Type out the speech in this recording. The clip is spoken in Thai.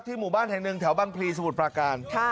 หมู่บ้านแห่งหนึ่งแถวบางพลีสมุทรปราการ